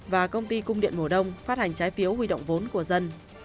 và công ty cung điện mùa đông phát hành trái phiếu huy động vốn của dân